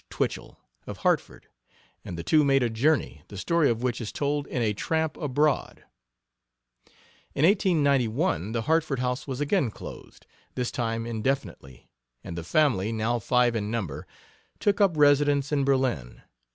Twichell, of Hartford, and the two made a journey, the story of which is told in A Tramp Abroad. In 1891 the Hartford house was again closed, this time indefinitely, and the family, now five in number, took up residence in Berlin.